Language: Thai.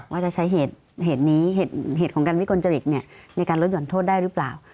ว่าจะใช้เหตุนี้เหตุของการวิกลจริตในการลดหย่อนโทษได้หรือเปล่า